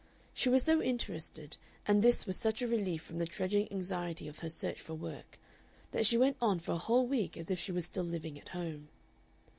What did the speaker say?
She was so interested, and this was such a relief from the trudging anxiety of her search for work, that she went on for a whole week as if she was still living at home.